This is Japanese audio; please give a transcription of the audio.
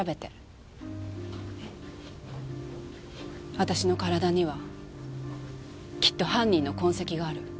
私の体にはきっと犯人の痕跡がある。